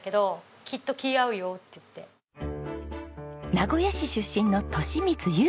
名古屋市出身の利光優子さん。